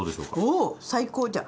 おお最高じゃん。